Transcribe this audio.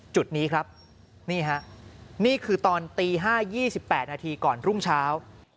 จุดนี้ครับนี่ฮะนี่คือตอนตี๕๒๘นาทีก่อนรุ่งเช้า